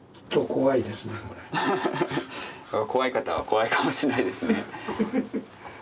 怖い方は怖いかもしれないですね。